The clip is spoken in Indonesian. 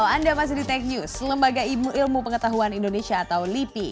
anda masih di tech news lembaga ilmu pengetahuan indonesia atau lipi